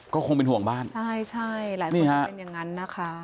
ก็คงเป็นห่วงบ้านใช่ใช่หลายคนจะเป็นอย่างนั้นนะคะ